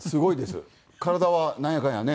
体はなんやかんやね。